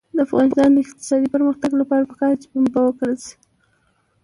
د افغانستان د اقتصادي پرمختګ لپاره پکار ده چې پنبه وکرل شي.